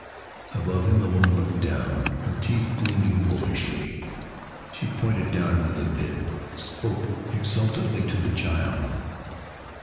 Above him the woman looked down, her teeth gleaming wolfishly. She pointed down into the pit; spoke exultantly to the child.